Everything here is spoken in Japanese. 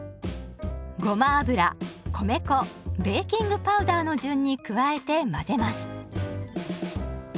ごま油米粉ベーキングパウダーの順に加えて混ぜます。